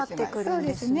そうですね。